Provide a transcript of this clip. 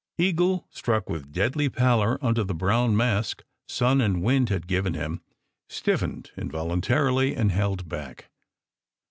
Eagle, struck with deadly pallor under the brown mask sun and wind had given him, stiffened involuntarily and held back.